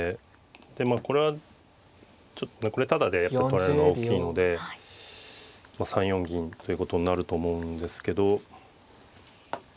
でまあこれはこれタダで取られるのは大きいので３四銀ということになると思うんですけど。